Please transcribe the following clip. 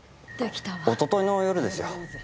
おとといの夜ですよ。